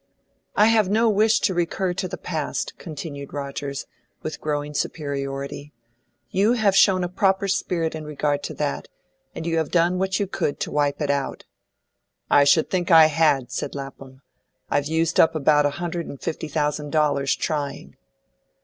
"I have no wish to recur to the past," continued Rogers, with growing superiority. "You have shown a proper spirit in regard to that, and you have done what you could to wipe it out." "I should think I had," said Lapham. "I've used up about a hundred and fifty thousand dollars trying."